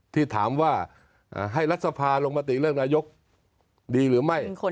ที่ถามว่าให้รัฐสภาลงมติเลือกนายกดีหรือไม่